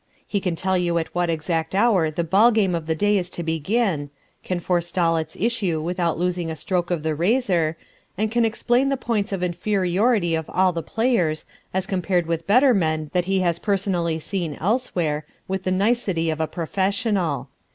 He can tell you at what exact hour the ball game of the day is to begin, can foretell its issue without losing a stroke of the razor, and can explain the points of inferiority of all the players, as compared with better men that he has personally seen elsewhere, with the nicety of a professional.